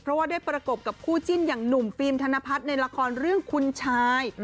เพราะว่าได้ประกบกับคู่จิ้นอย่างหนุ่มฟิล์มธนพัฒน์ในละครเรื่องคุณชาย